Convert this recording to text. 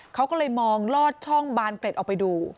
เขาก็เลยมองลอดช่องบานเกร็ดออกไปดู